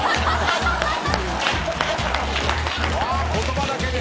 言葉だけで！